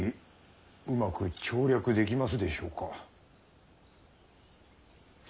うまく調略できますでしょうか？